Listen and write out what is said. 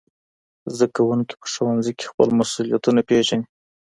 زدهکوونکي په ښوونځي کي خپل مسؤلیتونه پېژني.